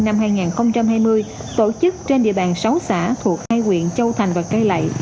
năm hai nghìn hai mươi tổ chức trên địa bàn sáu xã thuộc hai quyện châu thành và cây lệ